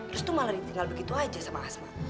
restu malah ditinggal begitu aja sama asma